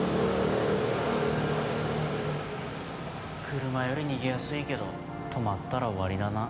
車より逃げやすいけど止まったら終わりだな。